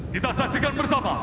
kita saksikan bersama